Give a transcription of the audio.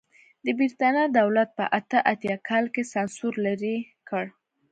د برېټانیا دولت په اته اتیا کال کې سانسور لرې کړ.